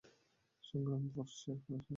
সংগ্রাম for Sher Shah, over!